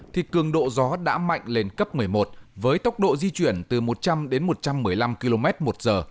thì cường độ gió đã mạnh lên cấp một mươi một với tốc độ di chuyển từ một trăm linh đến một trăm một mươi năm km một giờ